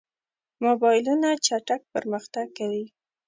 موبایلونه چټک پرمختګ کوي.